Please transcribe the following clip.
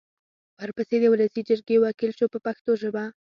ورپسې د ولسي جرګې وکیل شو په پښتو ژبه.